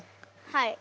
はい。